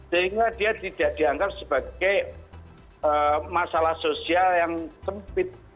sehingga dia tidak dianggap sebagai masalah sosial yang sempit